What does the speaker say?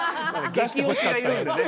激推しがいるんでね。